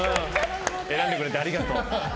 選んでくれてありがとう！